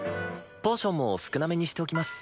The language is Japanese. ポーションも少なめにしておきます。